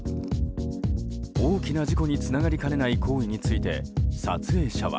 大きな事故につながりかねない行為について撮影者は。